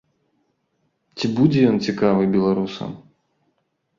Ці будзе ён цікавы беларусам?